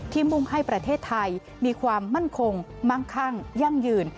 มุ่งให้ประเทศไทยมีความมั่นคงมั่งคั่งยั่งยืน